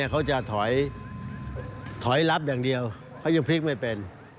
เขาจะถอยลับอย่างเดียวเขายังพลิกไม่เป็น